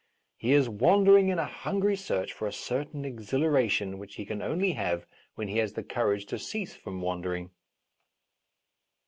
He is wander ing in a hungry search for a certain exhila ration which he can only have when he has the courage to cease from wandering.